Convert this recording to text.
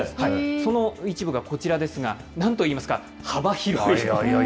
その一部がこちらですが、なんといいますか、幅広い。